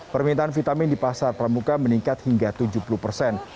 permintaan vitamin di pasar pramuka meningkat hingga tujuh puluh persen